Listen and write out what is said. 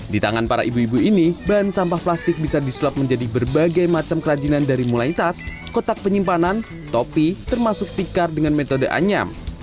di tangan para ibu ibu ini bahan sampah plastik bisa disulap menjadi berbagai macam kerajinan dari mulai tas kotak penyimpanan topi termasuk tikar dengan metode anyam